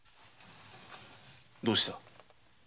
どうした？